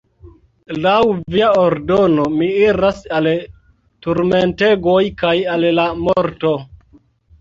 Laŭ via ordono mi iras al turmentegoj kaj al la morto!